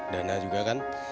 dana juga kan